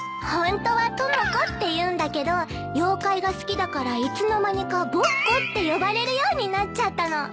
ホントは朋子っていうんだけど妖怪が好きだからいつの間にかぼっこって呼ばれるようになっちゃったの。